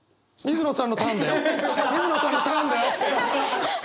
水野さんのターンだよ。